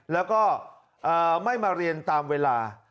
แล้วก็ไม่มาเรียนตามเวลา